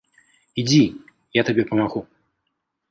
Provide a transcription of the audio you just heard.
Ідзі, я табе памагу.